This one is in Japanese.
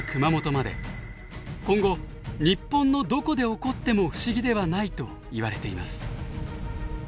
今後日本のどこで起こっても不思議ではないといわれています。